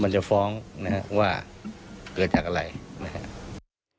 จะฟ้องนะครับว่าเกิดจากอะไรนะครับ